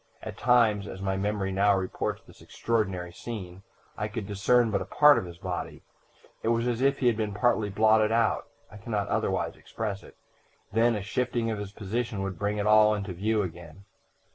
At times, as my memory now reports this extraordinary scene, I could discern but a part of his body; it was as if he had been partly blotted out I can not otherwise express it then a shifting of his position would bring it all into view again.